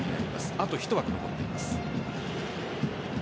あと１枠残っています。